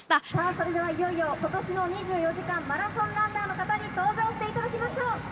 それではいよいよ２４時間マラソンランナーの方に登場していただきましょう。